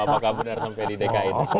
apakah benar sampai di dki